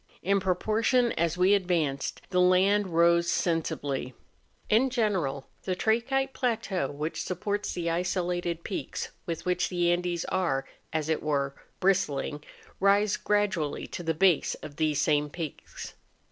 In proportion as we advanced, the land rose sensibly. In general the trachytic plateau which supports the isolated peaks with which the Andes are, as it were, bristling, rise gradually to the base of these same peaks.